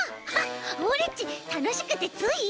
オレっちたのしくてつい。